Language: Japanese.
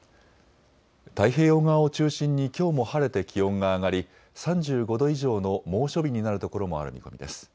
太平洋側を中心にきょうも晴れて気温が上がり３５度以上の猛暑日になるところもある見込みです。